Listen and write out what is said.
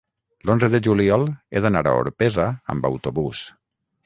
L'onze de juliol he d'anar a Orpesa amb autobús.